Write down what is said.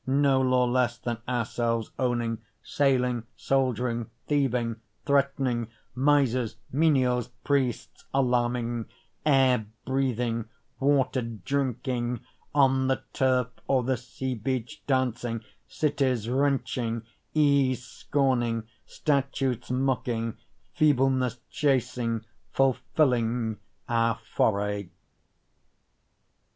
No law less than ourselves owning, sailing, soldiering, thieving, threatening, Misers, menials, priests alarming, air breathing, water drinking, on the turf or the sea beach dancing, Cities wrenching, ease scorning, statutes mocking, feebleness chasing, Fulfilling our foray.